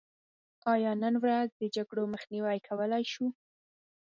آیا نن ورځ د جګړو مخنیوی کولی شو؟